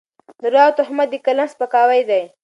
درواغ او تهمت د قلم سپکاوی دی.